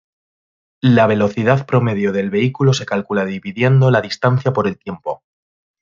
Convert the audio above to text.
La velocidad promedio del vehículo se calcula dividiendo la distancia por el tiempo.